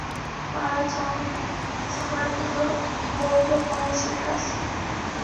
পাড়ার চামারগুলোর মুর্দফরাশির কাজ?